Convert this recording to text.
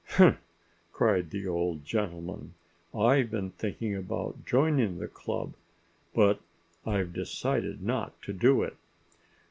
"Humph!" cried the old gentleman. "I've been thinking about joining the club. But I've decided not to do it."